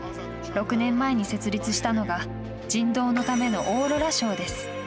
６年前に設立したのが人道のためのオーロラ賞です。